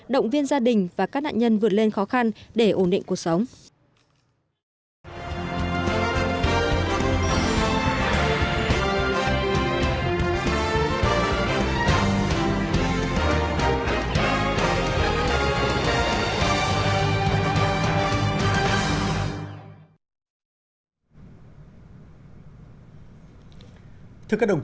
động viên gia đình và các nạn nhân vượt lên khó khăn để ổn định cuộc sống